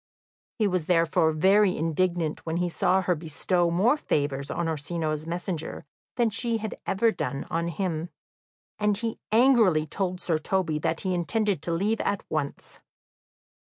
He was therefore very indignant when he saw her bestow more favours on Orsino's messenger than she had ever done on him, and he angrily told Sir Toby that he intended to leave at once.